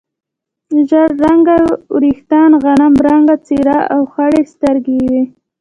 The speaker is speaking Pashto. ژړ رنګه وریښتان، غنم رنګه څېره او خړې سترګې یې وې.